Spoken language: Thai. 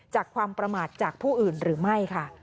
จากความประมาทจากผู้อื่นหรือไม่ค่ะ